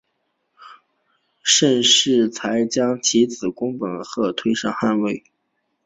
盛世才还将其子恭本德吉特推上汗位。